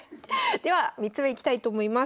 では３つ目いきたいと思います。